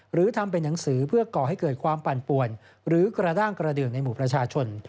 หรือทำเป็นหนังสือเพื่อก่อให้เกิดความปั่นป่วนหรือกระด้างกระเดืองในหมู่ประชาชน